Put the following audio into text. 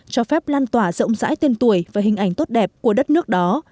cho phép lan tỏa rộng rãi tên tuổi và hình ảnh tốt đẹp của đất nước đó